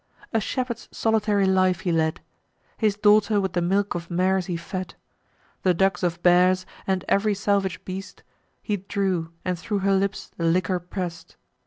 A shepherd's solitary life he led; His daughter with the milk of mares he fed. The dugs of bears, and ev'ry salvage beast, He drew, and thro' her lips the liquor press'd.